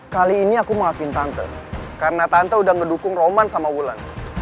kali ini aku maafin tante karena tante udah ngedukung roman sama wulan